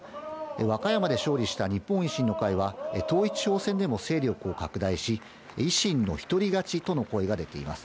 和歌山で勝利した日本維新の会は、統一地方選でも勢力を拡大し、維新の独り勝ちとの声が出ています。